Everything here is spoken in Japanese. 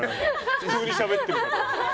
急にしゃべってるから。